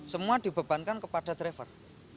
semua dibebankan kepada driver